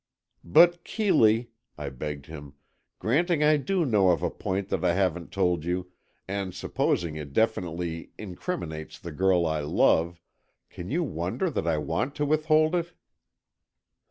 "But, Keeley," I begged him, "granting I do know of a point that I haven't told you, and supposing it definitely incriminates the girl I love, can you wonder that I want to withhold it?"